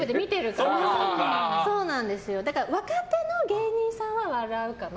若手の芸人さんは笑うかな。